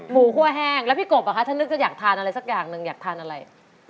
หูคั่วแห้งแล้วพี่กบถ้านึกจะอยากทานอะไรสักอย่างหนึ่งอยากทานอะไร